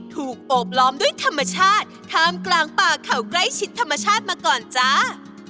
โอบล้อมด้วยธรรมชาติท่ามกลางป่าเขาใกล้ชิดธรรมชาติมาก่อนจ้า